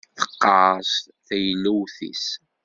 Teqqeṛṣ teylewt-is.